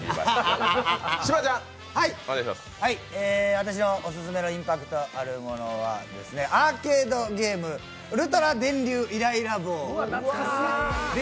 私のオススメのインパクトがあるものはアーケードゲーム、ウルトラ電流イライラ棒です。